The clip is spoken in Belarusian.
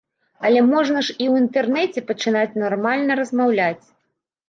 Але можна ж і ў інтэрнэце пачынаць нармальна размаўляць.